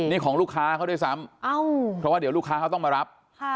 นี่ของลูกค้าเขาด้วยซ้ำเพราะว่าเดี๋ยวลูกค้าเขาต้องมารับ